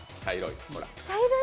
茶色い。